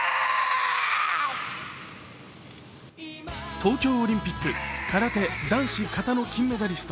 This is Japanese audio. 東京オリンピック空手・男子形の金メダリスト